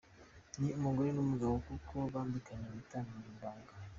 Ni umugore n’umugabo kuko bambikanye impeta mu ibanga.